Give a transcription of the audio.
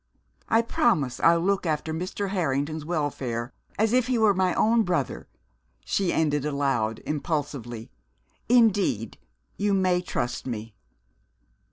I promise I'll look after Mr. Harrington's welfare as if he were my own brother!" she ended aloud impulsively. "Indeed, you may trust me."